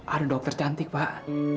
ada dokter cantik pak